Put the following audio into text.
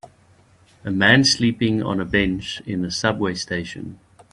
A man sleeping on a bench in a subway station.